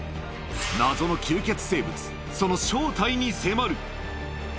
謎の吸血生物、その正体に迫る。